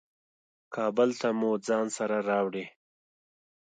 کابل ته مو ځان سره راوړې.